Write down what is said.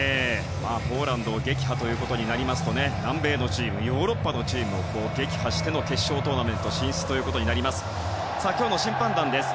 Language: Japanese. ポーランドを撃破となりますと南米のチームヨーロッパのチームを撃破しての決勝トーナメント進出となります。